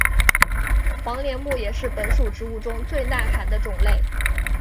黄连木也是本属植物中最耐寒的种类。